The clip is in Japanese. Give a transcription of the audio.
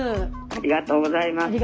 ありがとうございます。